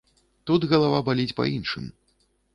Тут галава баліць па іншым.